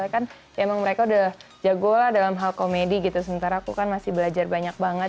karena mereka udah jago dalam hal komedi gitu sementara aku kan masih belajar banyak banget